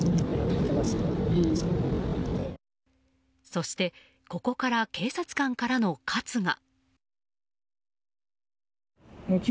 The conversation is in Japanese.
そして、ここから警察官からの喝が。